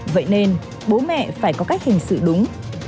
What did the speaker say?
vậy nên bố mẹ phải có cách hành xử đúng